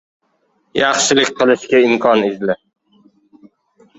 Yaxshilik qilishga imkon izla.